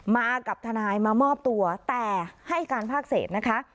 มากับทนายมามอบตัวแต่ให้การภาคเศษนะคะ